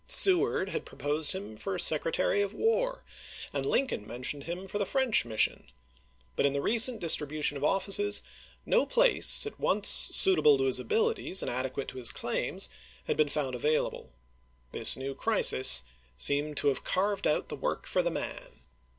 Seward had proposed him for Secretary of War, and Lincohi mentioned him for the French mission ; but in the recent distribution of offices no place at once suit able to his abilities and adequate to his claims had been found available. This new crisis seemed to have carved out the work for the man.